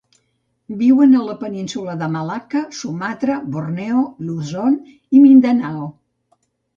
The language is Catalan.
Viuen a la península de Malacca, Sumatra, Borneo, Luzon i Mindanao.